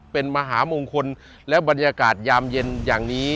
เป็นมหามงคลและบรรยากาศยามเย็นอย่างนี้